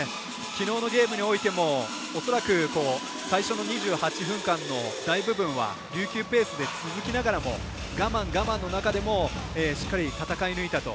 きのうのゲームにおいても恐らく最初の２８分間の大部分は琉球ペースで続きながらも我慢、我慢の中でしっかり戦い抜いたと。